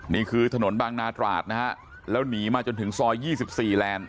นี่คือถนนบางนาตราดนะฮะแล้วหนีมาจนถึงซอย๒๔แลนด์